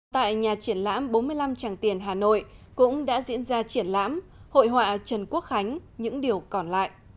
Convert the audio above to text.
tại nhà triển lãm bốn mươi năm tràng tiền hà nội cũng đã diễn ra triển lãm hội họa trần quốc khánh những điều còn lại